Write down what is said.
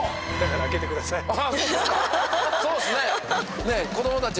そうっすね。